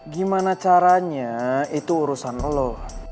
gimana caranya itu urusan lo